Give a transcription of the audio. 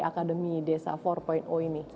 akademi desa empat ini